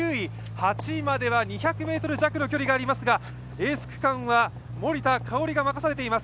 ８位までは２００ｍ弱の距離がありますが、エース区間は森田香織が任されています。